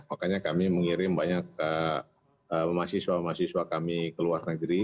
makanya kami mengirim banyak mahasiswa mahasiswa kami ke luar negeri